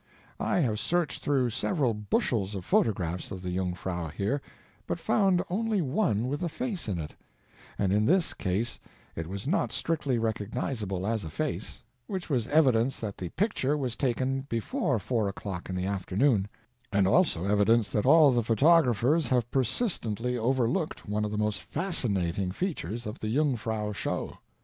I have searched through several bushels of photographs of the Jungfrau here, but found only one with the Face in it, and in this case it was not strictly recognizable as a face, which was evidence that the picture was taken before four o'clock in the afternoon, and also evidence that all the photographers have persistently overlooked one of the most fascinating features of the Jungfrau show.